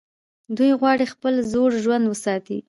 دوی غواړي خپل زوړ ژوند وساتي.